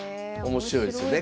面白いですよね